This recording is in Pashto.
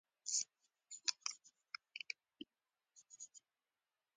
او د انارو خالصې دانې تولیدوي.